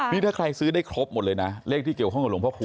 นี่ถ้าใครซื้อได้ครบหมดเลยนะเลขที่เกี่ยวข้องกับหลวงพ่อคู